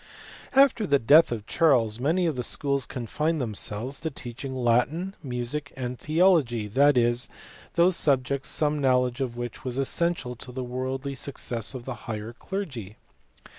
After the death of Charles many of the schools confined themselves to teaching Latin, music, and theology, that is, those subjects some knowledge of which was essential to the worldly success of the higher clBrgy.